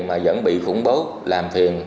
mà vẫn bị khủng bố làm thiền